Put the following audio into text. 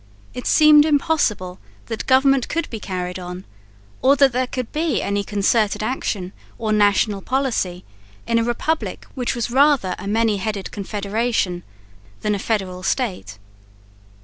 It seemed impossible that government could be carried on, or that there could be any concerted action or national policy in a republic which was rather a many headed confederation than a federal state.